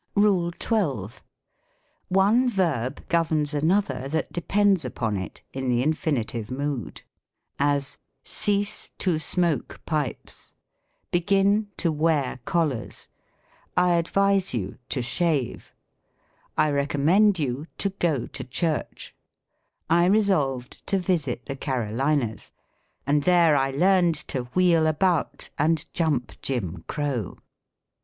RULE xir. One verb governs another that depends upon it, in the infinitive mood: as, "Cease to smoke pipes." "Begin io wear collars." "I advise you io ^/lare." "I recom mend you to go to church." " I resolved to visit the Carolinas." " And there I learned to wheel about And jump Jim Crow."